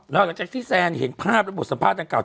แล้วกับเจคซี่แซนเห็นภาพบทสภาพต่างกล่าว